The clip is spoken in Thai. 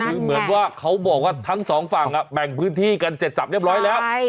คือเหมือนว่าเขาบอกว่าทั้งสองฝั่งแบ่งพื้นที่กันเสร็จสับเรียบร้อยแล้ว